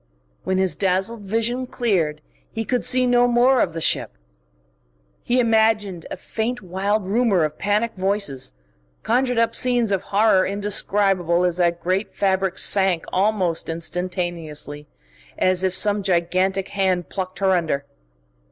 When his dazzled vision cleared, he could see no more of the ship. He imagined a faint, wild rumour of panic voices, conjured up scenes of horror indescribable as that great fabric sank almost instantaneously, as if some gigantic hand plucked her under.